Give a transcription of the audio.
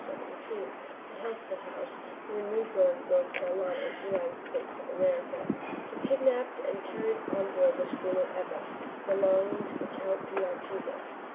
17, at Healthful House, near New Berne, North Carolina, United States of America, were kidnapped and carried on board the schooner Ebba, belonging to the Count d'Artigas.